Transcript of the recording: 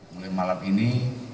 mulai malam ini